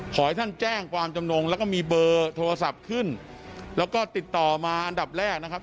ขอให้ท่านแจ้งความจำนงแล้วก็มีเบอร์โทรศัพท์ขึ้นแล้วก็ติดต่อมาอันดับแรกนะครับ